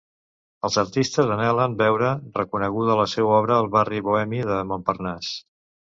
Els artistes anhelen veure reconeguda la seua obra al barri bohemi de Montparnasse.